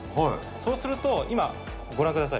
そうすると今、ご覧ください。